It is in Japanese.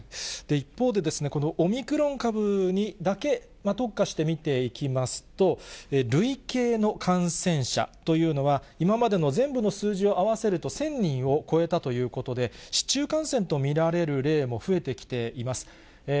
一方で、オミクロン株にだけ特化して見ていきますと、累計の感染者というのは、今までの全部の数字を合わせると１０００人を超えたということで、市中感染と見られる例も増えてきています。